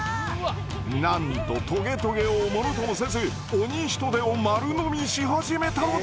なんとトゲトゲをものともせずオニヒトデを丸飲みし始めたのです！